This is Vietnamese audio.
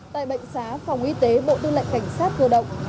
tại bệnh xá phòng y tế bộ tư lệnh cảnh sát cơ động